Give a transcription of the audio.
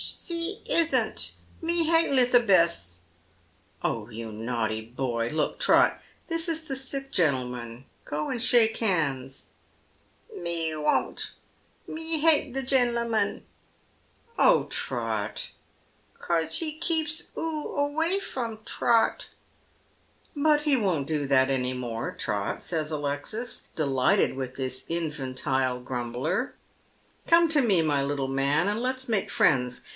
" See isn't. Me hate Lithabess." " Oh, you naughty boy. Look, Trot, this is the sick gentleman. Go and shake hands." " Me won't. Me hate the genlamum." " Oh, Trot !"" Cause he keeps oo away from Trot." " But he won't do that any more, Trot," says Alexis, delighted with this infantile grumbler. " Come to me, my little man, and let's make friends.